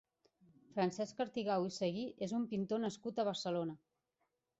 Francesc Artigau i Seguí és un pintor nascut a Barcelona.